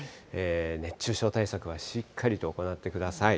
熱中症対策はしっかりと行ってください。